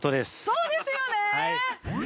◆そうですよね！